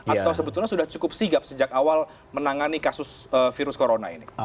atau sebetulnya sudah cukup sigap sejak awal menangani kasus virus corona ini